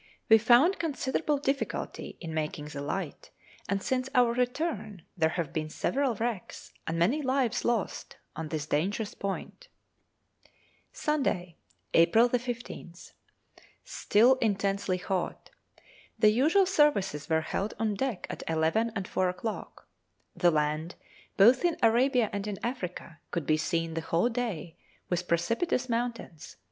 [Footnote 21: We found considerable difficulty in making the light, and since our return there have been several wrecks, and many lives lost, on this dangerous point.] Sunday, April 15th. Still intensely hot. The usual services were held on deck at eleven and four o'clock. The land, both in Arabia and in Africa, could be seen the whole day, with precipitous mountains.